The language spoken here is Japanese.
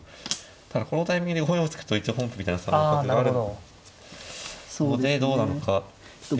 ただこのタイミングで５四歩突くと本譜みたいな３五角があるのでどうなのかってところで。